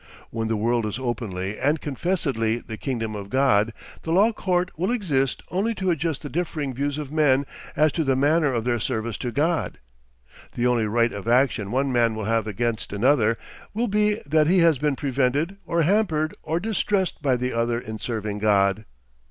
When the world is openly and confessedly the kingdom of God, the law court will exist only to adjust the differing views of men as to the manner of their service to God; the only right of action one man will have against another will be that he has been prevented or hampered or distressed by the other in serving God.